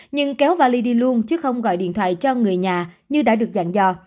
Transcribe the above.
nhưng kéo vali đi luôn chứ không gọi điện thoại cho người nhà như đã được dạng do